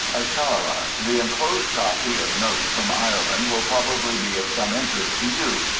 _ A CHARA,—The enclosed copy of notes from Ireland will probably be of some interest to you.